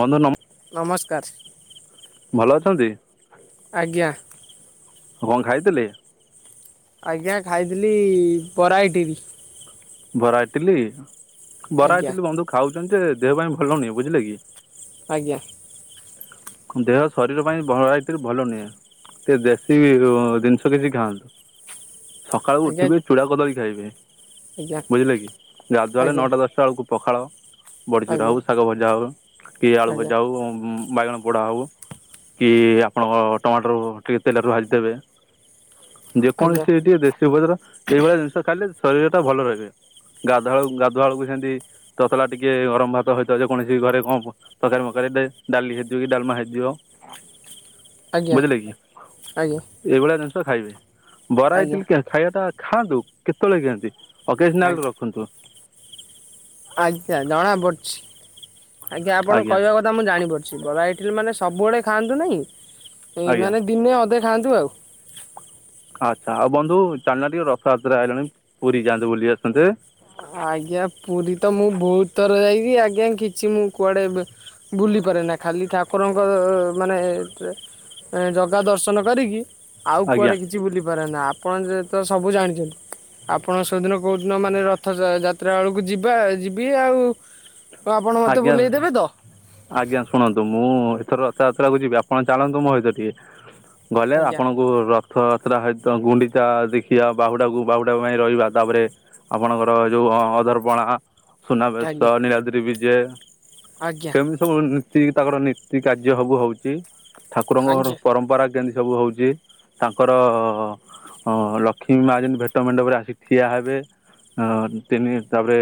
ବନ୍ଧୁ ନମ ନମସ୍କାର। ଭଲ ଅଛନ୍ତି? ଆଜ୍ଞା। ଆଉ କଁ ଖାଇଥିଲେ? ଆଜ୍ଞା ଖାଇଥିଲି ବରା ଇଟିଲି। ବରା ଇଟିଲି ବରା ଆଜ୍ଞା ଇଟିଲି ବନ୍ଧୁ ଖାଉଛନ୍ତି ଯେ ଦେହ ପାଇଁ ଭଲ ନୁହେଁ ବୁଝିଲେ କି? ଆଜ୍ଞା। ଦେହ ଶରୀର ପାଇଁ ଭ ଏ ଭଲ ନୁହେଁ। ଟିକେ ଦେଶୀ ଜିନିଷ କିଛି ଖାଆନ୍ତୁ ସକାଳୁ ଆଜ୍ଞା ଉଠିବେ ଚୂଡ଼ା କଦଳୀ ଖାଇବେ। ଆଜ୍ଞା ବୁଝିଲେ କି ଗାଧୁଆଳେ ଆଜ୍ଞା ନଅଟା ଦଶଟା ବେଳକୁ ପଖାଳ ବଡିଚୁରା ଆଜ୍ଞା ହଉ ଶାଗ ଭଜା ହଉ କି ଆଳୁ ଆଜ୍ଞା ଆଜ୍ଞା ଭଜା ହଉ ବାଇଗଣ ପୋଡା ହଉ କି ଆପଣଙ୍କ ଟମାଟର ଟିକେ ତେଲରେ ଭାଜିଦେବେ। ଆଜ୍ଞା ଯେକୌଣସି ଟିକେ ଦେଶୀ ଉପଚାର ଏଇଭଳିଆ ଜିନିଷ ଖାଇଲେ ଶରୀର ଟା ଭଲ ରହିବେ। ଗାଧୁଆଳୁ ଗାଧୁଆଳୁକୁ ସେମତି ତତଲା ଟିକେ ଗରମ ଭାତ ହେଇଥା ଯେ କୌଣସି ଘରେ କଣ ତକାରୀ ମକାରି ଡାଲି ହେଇ ଥିବ କି ଡାଲମା ହେଇଥିବ। ଆଜ୍ଞା ବୁଝିଲେ କି ଏଇଭଳିଆ ଜିନିଷ ଖାଇବେ ବରା ଆଜ୍ଞା ଇଟିଲି କ୍ୟା ଖାଇବାଟା ଖାଆନ୍ତୁ କେତେବେଳେ କେନ୍ତି ଅକେଜନାଲ ରଖନ୍ତୁ। ଆଚ୍ଛା ଜଣାପଡ଼ୁଛି ଆଜ୍ଞା ଆପଣ କହିବା କ ଥା ମୁଁ ଜାଣିପାରୁଛି ବରା ଇଟିଲି ମାନେ ସବୁବେଳେ ଖାଆନ୍ତୁ ନାହିଁ ଇଁ ଆଜ୍ଞା ମାନେ ଦିନେ ଅଧେ ଖାଆନ୍ତୁ ଆଉ। ଆଚ୍ଛା ଆଉ ବନ୍ଧୁ ଚାଲୁନ ଟିକେ ରଥଯାତ୍ରା ଆଇଲାଣି ପୁରୀ ଯାଆନ୍ତେ ବୁଲି ଆସନ୍ତେ। ଆଜ୍ଞା ପୁରୀ ତ ମୁଁ ବହୁତ ଥର ଯାଇଛିି ଆଜ୍ଞା କିଛି ମୁଁ କୁଆଡେ ଏବେ ବୁଲିପାରେନା ଖାଲି ଠାକୁରଙ୍କ ମାନେ ଅ ଜଗା ଦର୍ଶନ କରିକି ଆଉ ଆଜ୍ଞା କୁଆଡେ କି କିଛି ବୁଲିପାରେନା ଆପଣ ଯେହେତୁ ତ ସବୁ ଜାଣିଛନ୍ତି ଆପଣ ସେଦିନ କୋଉଦିନ ମାନେ ର ରଥ ଯା ଯାତ୍ରା ବେଳକୁ ଯିବା ଯିବି ଆଉ ଆପଣ ମୋତେ ଆଜ୍ଞା ବୁଲେଇ ଦେବେ ତ! ଆଜ୍ଞା ଶୁଣନ୍ତୁ ମୁଁ ଏଥର ରଥଯାତ୍ରାକୁ ଯିବି ଆପଣ ଚାଲନ୍ତୁ ମୋ ସହିତ ଟିକେ ଗଲେ ଆଜ୍ଞା ଆପଣଙ୍କ କୁ ରଥଯାତ୍ରା ହେତ ଗୁଣ୍ଡିଚା ଦେଖିବା ବାହୁଡ଼ାକୁ ବାହୁଡ଼ା ପାଇଁ ରହିବା ତାପରେ ଆପଣଙ୍କର ଏ ଯୋଉ ହଁ ଅଧରପଣା, ଆଜ୍ଞା ସୁନାବେଶ ନୀଳାଦ୍ରିବିଜେ ଆଜ୍ଞା। ସେ ସବୁ ନୀତି ତାଙ୍କର ନୀତି କାର୍ଯ୍ୟ ସବୁ ହଉଛି ଠାକୁରଙ୍କର ପରମ୍ପରା ଯେମିତି ସବୁ ହଉଛି ତାଙ୍କର ହଁ ଲକ୍ଷ୍ମୀ ମା ଯେମିତି ଭେଟ ମେଣ୍ଡପରେ ଆସିକି ଠିଆ ହେବେ ଅ ତିନି ତାପରେ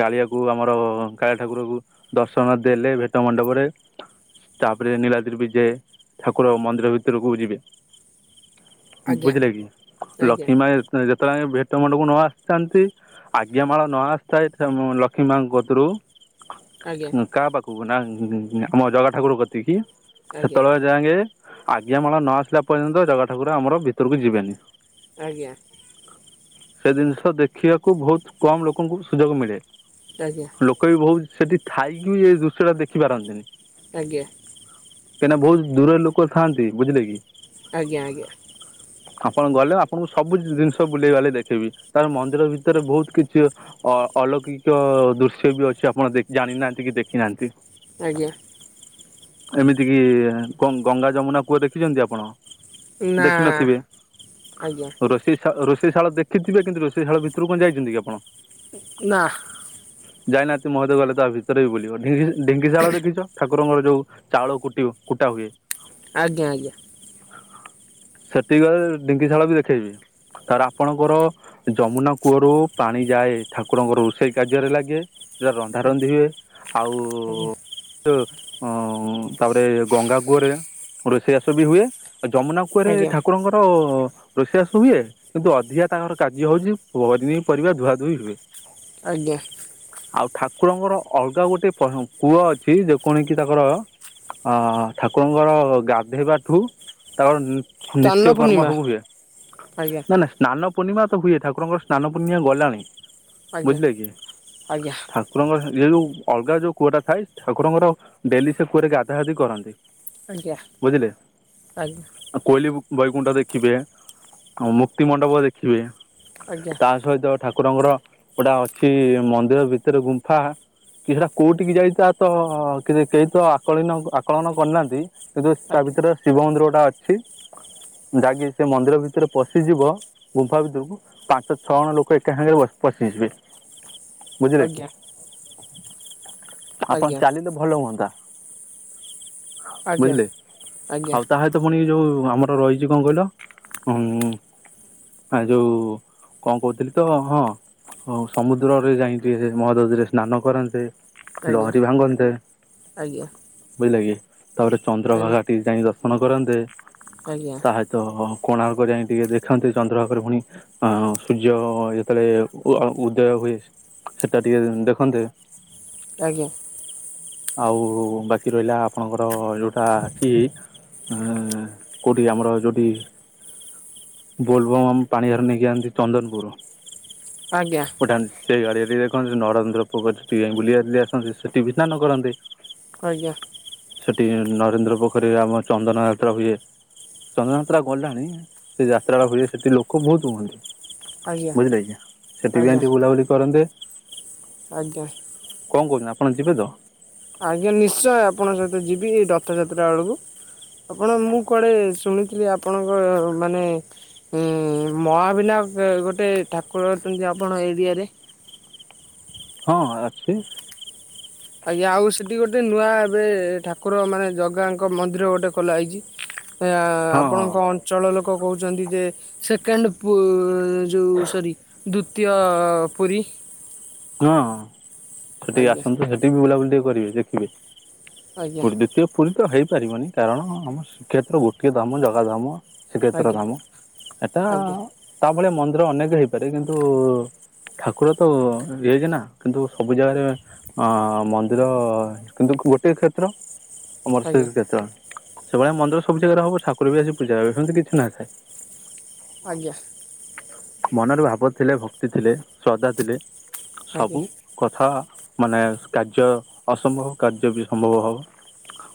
କାଳିଆକୁ ଆମର କାଳିଆ ଠାକୁରକୁ ଦର୍ଶନ ଦେଲେ ଭେଟ ମଣ୍ଡପରେ ତାପରେ ନିଳାଦ୍ରୀ ବିଜେ ଠାକୁର ମନ୍ଦିର ଭିତରକୁ ଯିବେ ଆଜ୍ଞା ବୁଝିଲେ କି ଆଜ୍ଞା ଲକ୍ଷ୍ମୀ ମା ଯେତେ ଯେତେବେଳେ ଆମେ ଭେଟ ମଣ୍ଡପକୁ ନ ଆସି ଥାଆନ୍ତି ଆଜ୍ଞା ମାଳ ନ ଆସିଥାଏ [unintelligible] ଲକ୍ଷ୍ମୀ ମାଆଙ୍କ କତିରୁ ଆଜ୍ଞା। କାହା ପାଖକୁ ନା ଆମ ଜଗା ଠାକୁର କତିକିି ଆଜ୍ଞା ହେତେବେଳେ ଯାଏଙ୍କେ ଆଜ୍ଞା ମାଳ ନ ଆସିଲା ପର୍ଯ୍ୟନ୍ତ ଜଗା ଠାକୁର ଆମର ଭିତରକୁ ଯିବେନି। ଆଜ୍ଞା। ସେ ଜିନିଷ ଦେଖିବାକୁ ବହୁତ କମ୍ ଲୋକଙ୍କୁ ସୁଯୋଗ ମିଳେ। ଆଜ୍ଞା ଆଜ୍ଞା। ଲୋକ ବି ବହୁତ୍ ସେଠି ଥାଇକି ବି ଏ ଦୃଶ୍ୟଟା ଦେଖିପାରନ୍ତିନି। ଆଜ୍ଞା। କାହିଁକିନା ବହୁତ ଦୂରରେ ଲୋକ ଥାଆନ୍ତି ବୁଝିଲେ କି? ଆଜ୍ଞା ଆଜ୍ଞା। ଆପଣ ଗଲେ ଆପଣଙ୍କୁ ସବୁ ଜିନିଷ ବୁଲେଇ ବାଲେଇ ଦେଖେଇବି ତାପରେ ମନ୍ଦିର ଭିତରେ ବହୁତ କିଛି ଅ ଅଲୌକିକ ଦୃଶ୍ୟ ବି ଅଛି ଆପଣ ଦେଖ ଜାଣିନାହାନ୍ତି କି ଦେଖିନାହାନ୍ତି। ଆଜ୍ଞା। ଏମିତି କି ଗଙ୍ଗ ଗଙ୍ଗା ଯମୁନା କୂଅ ଦେଖିଛନ୍ତି ଆପଣ? ନା ଦେଖିନଥିବେ ଆଜ୍ଞା ଆଉ ରୋଷ ସେ ଶା ରୋଷେଇ ଶାଳ ଦେଖିଥିବେ କିନ୍ତୁ ରୋଷେଇ ଶାଳ ଭିତରୁ କଣ ଯାଇଛନ୍ତି କି ଆପଣ? ନା। ଯାଇନାହାନ୍ତି ମହାଦେବ ଗଲେ ତା ଭିତରେ ବି ବୁଲିବ ଢିଙ୍କି ଢିଙ୍କିଶାଳ ଦେଖିଛ ଠାକୁରଙ୍କର ଯୋଉ ଚାଉଳ କୁଟିବ କୁଟା ହୁଏ। ଆଜ୍ଞା ଆଜ୍ଞା। ସେତିକିବେଳେ ଢିଙ୍କିଶାଳ ବି ଦେଖେଇବି। ତାପରେ ଆପଣଙ୍କର ଯମୁନା କୂଅରୁ ପାଣି ଯାଏ ଠାକୁରଙ୍କର ରୋଷେଇ କାର୍ଯ୍ୟରେ ଲାଗେ ଯୋଉଟା ରନ୍ଧା ରନ୍ଧି ହୁଏ ଆଉ ଆଜ୍ଞା। [inaudible] ଅ ତାପରେ ଗଙ୍ଗା କୂଅରେ ରୋଷେଇ ଚାସ ବି ହୁଏ। ଆଉ ଯମୁନା କୂଅରେ ଆଜ୍ଞା ଠାକୁରଙ୍କର ରୋଷେଇ ବାସ ହୁଏ କିନ୍ତୁ ଅଧିକା ତାଙ୍କର କାର୍ଯ୍ୟ ହଉଛି ପନି ପରିବା ଧୁଆଧୁଇ ହୁଏ। ଆଜ୍ଞା। ଆଉ ଠାକୁରଙ୍କର ଅଲଗା ଗୋଟେ ପ କୂଅ ଅଛି ଯୋଉ କଣ କି ତାଙ୍କର। ଅ ଠାକୁରଙ୍କର ଗାଧେଇବା ଠୁ ତାଙ୍କର। ସ୍ନାନ ନିତ୍ୟ କର୍ମ ପୂର୍ଣ୍ଣିମା ହବୁ ହଏ ଆଜ୍ଞା ନା ନା। ସ୍ନାନ ପୂର୍ଣ୍ଣିମା ତ ହୁଏ ଠାରଙ୍କର ସ୍ନାନ ପୂର୍ଣ୍ଣିମା ଗଲାଣି। ଆଜ୍ଞା ବୁଝିଲେ କି ଆଜ୍ଞା। ଠାକୁରଙ୍କର ଏ ଯଉଁ ଅଲଗା ଯଉ କୂଅଟା ଥାଏ ଠାକୁରଙ୍କର ଡେଲି ସେ କୂଅରେ ଗାଧା ଗାଧି କରନ୍ତି। ଆଜ୍ଞା ବୁଝିଲେ ଆ କୋଇଲି ବୈକୁଣ୍ଠ ଦେଖିବେ ଆଉ ମୁକ୍ତି ମଣ୍ଡପ ଦେଖିବେ। ଆଜ୍ଞା। ତା ସହିତ ଠାକୁରଙ୍କର ଗୋଟା ଅଛି ମନ୍ଦିର ଭିତରେ ଗୁମ୍ଫା। କି ସେଟା କୋଉଠିିକି ଯାଇ ତା ତ କେହି ତ ଆକଳିନ ଆକଳନ କରିନାହାନ୍ତି। ତା ଆଜ୍ଞା ଆଜ୍ଞା ଭିତରେ ଶିବ ମନ୍ଦିର ଗୋଟା ଅଛି ଯାଇକି ସେ ମନ୍ଦିର ଭିତରେ ପଶିଯିବ। ଗୁମ୍ଫା ଭିତରୁକୁ ପାଞ୍ଚ ଛଅ ଜଣ ଲୋକ ଏକା ସାଙ୍ଗରେ ପଶିଯିବେ। ବୁଝିଲେ କି। ଆଜ୍ଞା ଆପଣ ଚାଲିଲେ ଭଲ ହୁଅନ୍ତା ବୁଝିଲେ ଆଜ୍ଞା ଆଉ ତା ତ ପୁଣି ଯୋଉ ଆମର ରହିଛି କଣ କହିଲ ହୁଁ। ଆ ଯୋଉ କଣ କହୁଥିଲି ତ ହଁ ହଁ ହଉ ସମୁଦ ଦୂରରେ ଯାଇକି ମହୋଦଧିରେ ସ୍ନାନ କରନ୍ତେ ଆଜ୍ଞା ଆଜ୍ଞା ଲହରୀ ଭାଙ୍ଗନ୍ତେ। ଆଜ୍ଞା ବୁଝିଲେ କି ତାପରେ ଚନ୍ଦ୍ରଭାଗା ଆଜ୍ଞା ଟିକେ ଯାଇ ଦର୍ଶନ କରନ୍ତେ। ଆଜ୍ଞା। ତାହା ସହ କୋଣାର୍କ ଯାଇ ଟିକେ ଦେଖନ୍ତେ ଚନ୍ଦ୍ରଭାଗରେ ପୁଣି। ଅ ସୂର୍ଯ୍ୟ ଯେତେବେଳେ ଉଦୟ ହୁଏ ସେଟା ଟିକେ ଦେଖନ୍ତେ। ଆଜ୍ଞା। ଆଉ ବାକି ରହିଲା ଆପଣଙ୍କର ଯୋଉଟା କି କଉଠି ଆମର ଯଉଠି? ବୋଲବମ୍ ପାଣି ହେରା ନେଇକି ଯାଆନ୍ତି ଚନ୍ଦନପୁର। ଆଜ୍ଞା। ଉଠାନ୍ତି ସେ ଗାଡିଆରେ ଦେଖନ୍ତୁ ନରେନ୍ଦ୍ର ପୋଖୁରି ଟିକେ ଯାଇ ବୁଲି ଅସିଜାଇଥାନ୍ତେ ସେଠି ବି ସ୍ନାନ କରନ୍ତେ। ଆଜ୍ଞା। ସେଠି ନରେନ୍ଦ୍ର ପୋଖରୀରେ ଆମ ଚନ୍ଦନ ଯାତ ହୁଏ। ଚନ୍ଦନ ଯାତ୍ରା ଗଲାଣି ସେ ଯାତ୍ରାଟା ହୁଏ ସେଠି ଲୋକ ବହୁତ ହୁଅନ୍ତି। ବୁଝିଲେକି ସେଠି ପାଇଁ ଆଜ୍ଞା ଟିକେ ବୁଲାବୁଲି କରନ୍ତେ। ଆଜ୍ଞା। କଣ କହୁଛନ୍ତି ଆପଣ ଯିବେ ତ? ଆଜ୍ଞା ନିଶ୍ଚୟ ଆପଣଙ୍କ ସହିତ ଯିବି ରଥଯାତ୍ରା ବୁଳୁକୁ। ଆପଣ ମୁଁ କୁଆଡେ ଶୁଣିଥିଲି ଆପଣଙ୍କ ମାନେ ମହାବିନାୟକ ଗୋଟେ ଠାକୁର ଅଛନ୍ତି ଆପଣ ଏରିଆରେ? ହଁ ଅଛି। ଆଜ୍ଞା ଆଉ ସେଠି ଗୋଟେ ନୂଆ ଏବେ ଠାକୁର ମାନେ ଜଗାଙ୍କ ମନ୍ଦିର ଗୋଟେ ଖୋଲାହେଇଛି। ହଁ ହଁ ଆପଣଙ୍କ ଅଞ୍ଚଳ ଲୋକ କହୁଛନ୍ତି ଯେ ସେକେଣ୍ଡ ପୁ ଯଉ ସରି ଦ୍ଵିତୀୟ ପୁରୀ। ହଁ ସେଠିକି ଆଜ୍ଞା ଆସନ୍ତୁ ସେଠିକି ବି ବୁଲାବୁଲି ଟିକେ କରିବେ ଦେଖିବେ। ଆଜ୍ଞା ସେ ପୁରୀ ତ ହେଇପାରିବନି କାରଣ ଆମ ଶ୍ରୀକ୍ଷେତ୍ର ଗୋଟିଏ ଧାମ ଜଗା ଧାମ। ଶ୍ରୀକ୍ଷେତ୍ର ଆଜ୍ଞା ଧାମ ଏଟା ଆଜ୍ଞା ତା ଭଳିଆ ମନ୍ଦିର ଅନେକ ହେଇପାରେ କିନ୍ତୁ ଠାକୁର ତ ହେଇଜି ନା କିନ୍ତୁ ସବୁ ଜାଗାରେ ଅ ମନ୍ଦିର କିନ୍ତୁ ଗୋଟେ କ୍ଷେତ୍ର। ଅମ ଆଜ୍ଞା ଶ୍ରୀକ୍ଷେତ୍ର ସେଭଳିଆ ମନ୍ଦିର ସବୁ ଜାଗାରେ ହବ ଠାକୁର ବି ଆସି ପୂଜା ହେବେ ସେମିତି କିଛି ନଥାଏ। ଆଜ୍ଞା। ମନରେ ଭାବ ଥିଲେ, ଭକ୍ତି ଥିଲେ, ଶ୍ରଦ୍ଧା ଥିଲେ ଆଜ୍ଞା ସବୁ କଥା ମାନେ, କାର୍ଯ୍ୟ ଅସମ୍ଭବ କାର୍ଯ୍ୟ ବି ସମ୍ଭବ ହବ।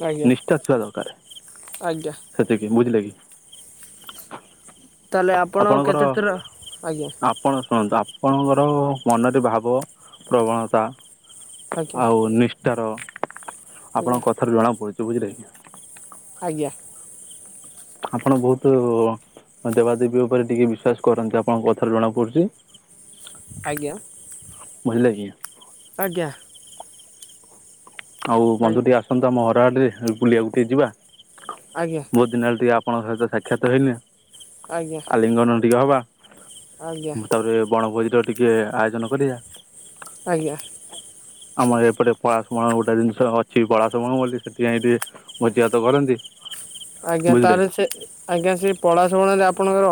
ଆଜ୍ଞା ନିଷ୍ଠା ଥିବା ଦରକାର। ଆଜ୍ଞା ସେତିକି ବୁଝିଲେ କି? ତାହେଲେ ଆପଣ ଆପଣଙ୍କର, କେତେଥର ଆଜ୍ଞା ଆପଣ ଶୁଣନ୍ତୁ ଆପଣଙ୍କର ମନରେ ଭାବ ପ୍ରବଣତା ଆଜ୍ଞା ଆଉ ନିଷ୍ଠାର, ଆଜ୍ଞା ଆପଣଙ୍କ କଥାରୁ ଜଣା ପଡୁଛି ବୁଝିଲେ କି। ଆଜ୍ଞା। ଆପଣ ବହୁତ ଦେବାଦେବୀ ଉପରେ ଟିକେ ବିଶ୍ଵାସ କରନ୍ତି, ଆପଣଙ୍କ କଥାରୁ ଜଣା ପଡୁଚି। ଆଜ୍ଞା। ବୁଝିଲେ କି? ଆଜ୍ଞା। ଆଉ ଆଜ୍ଞା ବନ୍ଧୁ ଟିକେ ଆସନ୍ତୁ ଆମ ଘର ଆଡ଼େ, ବୁଲିବାକୁ ଟିକେ ଯିବା। ଆଜ୍ଞା। ବହୁତ ଦିନ ହେଲା, ଟିକେ ଆପଣଙ୍କ ସହିତ ସାକ୍ଷାତ ହେଇନି। ଆଜ୍ଞା ଆଲିଙ୍ଗନ ଟିକେ ହବା, ଆଜ୍ଞା ତାପରେ ବଣଭୋଜି ଟ ଟି ଟିକେ ଆୟୋଜନ କରିବା। ଆଜ୍ଞା। ଆମର ଏପଟେ ପଳାଶ୍ରମ ଟା ଜିନିଷ ଅଛି ପଳାଶ ବଣ ବୋଲି, ସେଠି ଯାଇ ଟିକେ ଭୋଜିଭାତ କରନ୍ତେ। ଆଜ୍ଞା ତାହେଲେ ସେ ଆଜ୍ଞା ସେ ପଳାଶୁଣୀରେ, ଆପଣଙ୍କର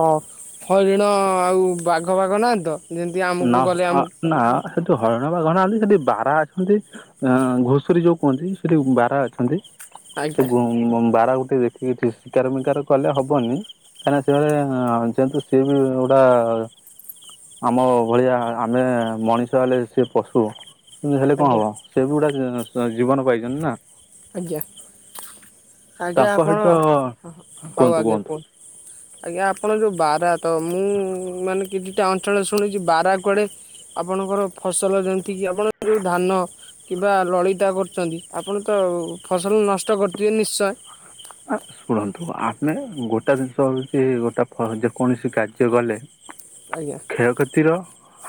ହରିଣ ଆଉ ବାଘ ପାଘ ନାହାନ୍ତି ତ? ଯେମିତି ଆମକୁ ନା ଗଲେ ଆମ ନା ସେଠି ହରିଣ, ବାଘ ନାହାନ୍ତି। ସେଠି ବାରହା ଅଛନ୍ତି। ଅ ଘୁଷୁରୀ ଯୋଉ କୁହନ୍ତି ସେଠି ବାରହା ଅଛନ୍ତି, ସେ ଆଜ୍ଞା ଗୋ ବାରହା ଗୋଟେ ଦେ ଏଠି ଶିକାର ମିକାର କଲେ ହବନି। କାହିଁକି ସେ ଯେହେତୁ ସିଏ ବି ଗୁଡା ଆମ ଭଳିଆ ଆମେ ମଣିଷ ହେଲେ ସେ ପଶୁ, କିନ୍ତୁ ହେଲେ କଣ ଆଜ୍ଞା ହବ ସେ ବି ଗୁଟେ ଜୀବନ ପାଇଚନ୍ତି ନା। ଆଜ୍ଞା ଆଜ୍ଞା ତାଙ୍କ ଆପଣ, ସହିତ ହଉ କୁହନ୍ତୁ ଆଜ୍ଞା କୁହନ୍ତୁ କୁହ ଆଜ୍ଞା ଆପଣ ଯୋଉ ବାରହା, ତ ମୁଁ ମାନେ କିଛିଟା ଅଞ୍ଚଳ ଶୁଣିଛି ବାରହା କୁଆଡେ ଆପଣଙ୍କର ଫସଲ ଯେମିତିକି, ଆପଣ ଯୋଉ ଧାନ କିମ୍ବା ଲଳିତା କରୁଛନ୍ତି। ଆପଣ ତ ଫସଲ ନଷ୍ଟ କରୁଥିବେ ନିଶ୍ଚୟ। ଆ ଶୁଣନ୍ତୁ ଆମେ ଗୋଟା ଜିନିଷ ହଉଛି, ଗୋଟା ଫ ଯେକୌଣସି କାର୍ଯ୍ୟ କଲେ ଆଜ୍ଞା। କ୍ଷୟକ୍ଷତିର,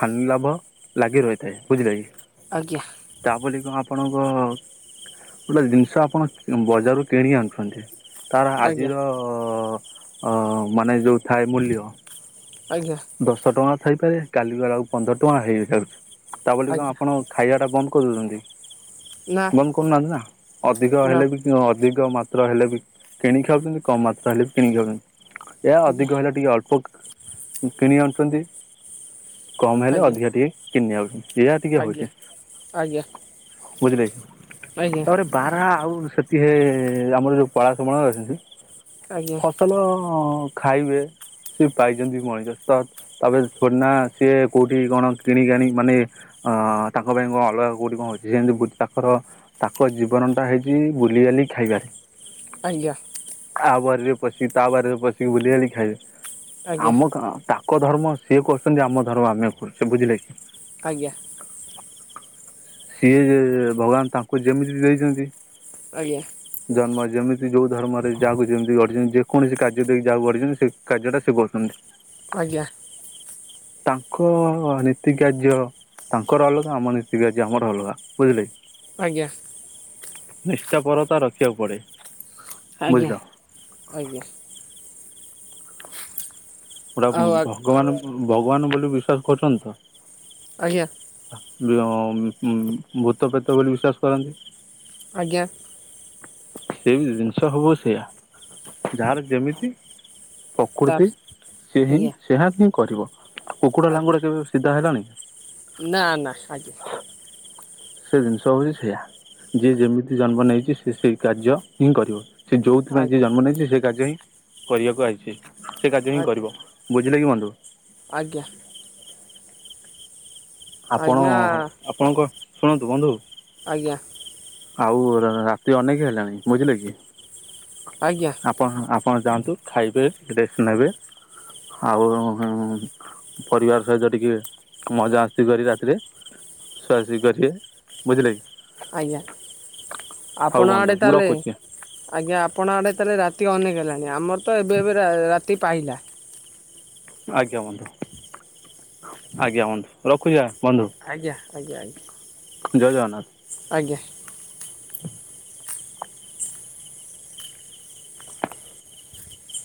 ହାନି ଲାଭ ଲାଗି ରହିଥାଏ ବୁଝିଲେ କି। ଆଜ୍ଞା। ତା ବୋଲି କଣ ଆପଣଙ୍କ, ଗୋଟେ ଜିନିଷ ଆପଣ ବଜାରରୁ କିଣି ଆଣୁଛନ୍ତି। ତାର ଆଜ୍ଞା ଆଜିର ଅ ମାନେ ଯୋଉ ଥାଏ ମୂଲ୍ୟ ଆଜ୍ଞା। ଦଶ ଟଙ୍କା ଥାଇପାରେ, କାଲି ଗଲାବେଳକୁ ପନ୍ଦର ଟଙ୍କା ହେଇଯାଉଛି। ତା ବୋଲି କଣ ଆଜ୍ଞା ଆପଣ ଖାଇବାଟା ବନ୍ଦ କରିଦଉଛନ୍ତି, ନା ବନ୍ଦ କରୁନାହାନ୍ତି ନା। ଅଧିକ ନା ହେଲେ ବି ଅଧିକ ମାତ୍ର ହେଲେ ବି କିଣିକି ଖାଉଛନ୍ତି, କମ୍ ମାତ୍ର ହେଲେ ବି କିଣିକି ଖାଉଛନ୍ତି। ଏଇଆ ଆଜ୍ଞା ଅଧିକ ହେଲେ ଟିକେ ଅଳ୍ପ କିଣି ଆଣୁଛନ୍ତି, କମ୍ ହେଲେ ଆଜ୍ଞା ଅଧିକା ଟିକେ କିଣି ନେଇଆଉଛନ୍ତି। ଏଇଆ ଟିକେ ଆଜ୍ଞା ହଉଛି ବୁଝିଲେ କି, ଆଜ୍ଞା ତାପରେ ବାରହା ଆଉ ସେତିକି ରେ ଆମର ଯୋଉ ପଳାଶ ବଣ ଅଛନ୍ତି ଆଜ୍ଞା। ଫସଲ ଖାଇବେ, ସେ ପାଇଛନ୍ତି ମ ତ ତାପରେ ଥୋଡିନା ସିଏ କୋଉଠି କଣ କିଣିକି ଆଣି ମାନେ ଅ ତାଙ୍କ ପାଇଁ କଣ ଅଲଗା କୋଉଠି କଣ ଅଛି ସେମିତି ବୁଝି ତାଙ୍କର ତାଙ୍କ ଜୀବନ ଟା ହେଇଛି ବୁଲିିବାଲି ଖାଇବାରେ ଆଜ୍ଞା। ଆ ବାରିରେ ପଶି ତା ବାରିରେ ପଶି ବୁଲିବାଲି ଖାଇବେ ଆଜ୍ଞା ଆମ କା ତାଙ୍କ ଧର୍ମ ସିଏ କରୁଛନ୍ତି ଆମ ଧର୍ମ ଆମେ କରୁଛେ ବୁଝିଲେ କି ଆଜ୍ଞା। ସିଏ ଯେ ଭଗବାନ ତାଙ୍କୁ ଯେମିତି ଦେଇଛନ୍ତି ଆଜ୍ଞା। ଜନ୍ମ ଯେମିତି ଯୋଉ ଧର୍ମରେ ଯାହାକୁ ଯେମିତି ଗଢିଛନ୍ତି ଯେକୌଣସି କାର୍ଯ୍ୟ ଦେଇକି ଯାହାକୁ ଗଢିଛନ୍ତି ସେ କାର୍ଯ୍ୟଟା ସେ କରୁଛନ୍ତି। ଆଜ୍ଞା। ତାଙ୍କ ନୀତି କାର୍ଯ୍ୟ ତାଙ୍କର ଅଲଗା ଆମ ନୀତି କାର୍ଯ୍ୟ ଆମର ଅଲଗା ବୁଝିଲେ କି ଆଜ୍ଞା। ନିଷ୍ଠାପରତା ରଖିବାକୁ ପଡେ। ଆଜ୍ଞା ବୁଝିଲ ଆଜ୍ଞା। ଗୋଟା ଆଉ ଭଗବାନ ଙ୍କୁ ଭଗବାନ ବୋଲି ବିଶ୍ଵାସ କରୁଛନ୍ତି ତ? ଆଜ୍ଞା। ଅ ଉମ ଭୂତ ପେତ ବୋଲି ବିଶ୍ଵାସ କରନ୍ତି ଆଜ୍ଞା। ସେମିତି ଜିନିଷ ହବ ସେଇୟା ଯାହାର ଯେମିତି ତା ପ୍ରକୃତି ସେ ହିଁ ଆଜ୍ଞା ସେହା ହିଁ କରିବ କୁକୁର ଆଜ୍ଞା ଲାଙ୍ଗୁଡ କେବେ ସିଧା ହେଲାଣି। ନା ନା ଆଜ୍ଞା। ସେ ଜିନିଷ ହଉଛି ସେୟା, ଯିଏ ଯେମିତି ଜନ୍ମ ନେଇଛି ସିଏ ସେଇ କାର୍ଯ୍ୟ ହିଁ କରିବ। ସେ ଯୋଉଥିପାଇଁ ଯିଏ ଆଜ୍ଞା ଜନ୍ମ ନେଇଛି ସେ କାର୍ଯ୍ୟ ହିଁ କରିଆକୁ ଆଇଛି ସିଏ, ସେ କାର୍ଯ୍ୟ ହିଁ ଆଜ୍ଞା କରିବ। ବୁଝିଲେ କି ବନ୍ଧୁ। ଆଜ୍ଞା। ଆପଣ ଆଜ୍ଞା ଆପଣଙ୍କ ଶୁଣନ୍ତୁ ବନ୍ଧୁ ଆଜ୍ଞା। ଆଉ ର ରାତି ଅନେକେ ହେଲାଣି ବୁଝିଲେ କି ଆଜ୍ଞା। ଆପଣ ଆପଣ ଯାଆନ୍ତୁ ଖାଇବେ ରେଷ୍ଟ୍ ନେବେ ଆଉ ପରିବାର ସହିତ ଟିକେ ମଜାମସ୍ତି କରିବେ ରାତିରେ ସୁଆ ସୁଇ କରିବେ, ବୁଝିଲେ କି ଆଜ୍ଞା ହଉ ଆପଣ ବନ୍ଧୁ ଆଡ଼େ ତା ମୁଁ ହେଲେ ରଖୁଛି ଆଜ୍ଞା ଆପଣ ଆଡେ ତାହେଲେ ରାତି ଅନେକ ହେଲାଣି ଆମର ତ ଏବେ ଏବେ ରା ରାତି ପାଇଲା ଆଜ୍ଞା ବନ୍ଧୁ ଆଜ୍ଞା ବନ୍ଧୁ ରଖୁଚି ବନ୍ଧୁ ଆଜ୍ଞା ଆଜ୍ଞା ଆଜ୍ଞା ଜୟ ଜଗନ୍ନାଥ। ଆଜ୍ଞା।